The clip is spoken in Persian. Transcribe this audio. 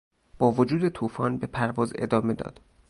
با وجود طوفان به پرواز ادامه داد.